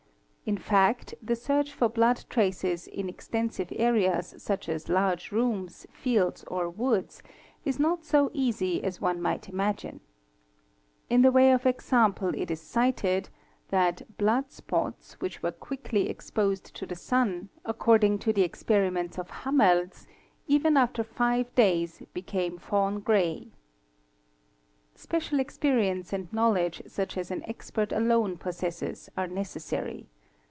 In fact, the search for blood traces in extensive areas such as large | rooms, fields, or woods, is not so easy as one might imagine. In the _ way of example it is cited that blood spots which were quickly exposed to the sun, according to the experiments of Hammeris, even after five days became fawn grey®®, Special experience and knowledge such as an : expert alone possesses are necessary.